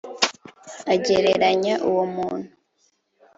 agereranya uwo muntu